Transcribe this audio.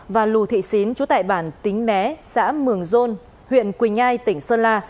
và lù thị xín chú tại bản tính mé xã mường dôn huyện quỳnh nhai tỉnh sơn la